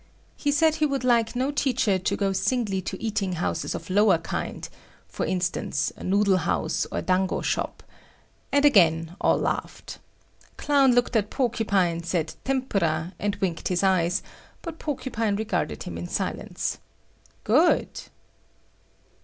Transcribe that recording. He said he would like no teacher to go singly to eating houses of lower kind—for instance, noodle house or dango shop…. And again all laughed. Clown looked at Porcupine, said "tempura" and winked his eyes, but Porcupine regarded him in silence. Good!